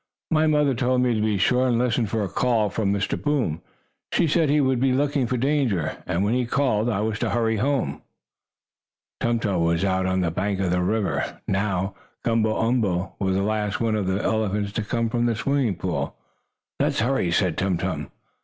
"My mother told me to be sure and listen for a call from Mr. Boom. She said he would be looking for danger, and when he called, I was to hurry home." Tum Tum was out on the bank of the river now. Gumble umble was the last one of the elephants to come from the swimming pool. "Let's hurry," said Tum Tum.